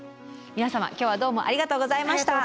皆様今日はどうもありがとうございました。